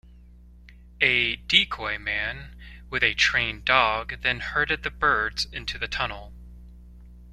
A "decoyman" with a trained dog then herded the birds into the tunnel.